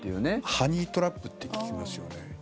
ハニートラップって聞きますよね。